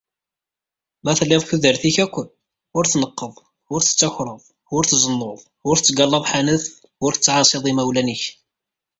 Ma telliḍ deg tudert-ik akk ur tneqqeḍ, ur tettakreḍ, ur tzennuḍ, ur tettgallaḍ ḥanet, ur tettεaṣiḍ imawlan-ik.